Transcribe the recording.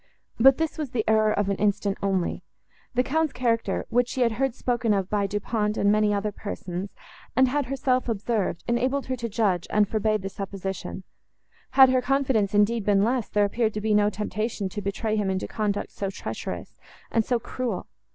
But this was the error of an instant, only; the Count's character, which she had heard spoken of by Du Pont and many other persons, and had herself observed, enabled her to judge, and forbade the supposition; had her confidence, indeed, been less, there appeared to be no temptation to betray him into conduct so treacherous, and so cruel.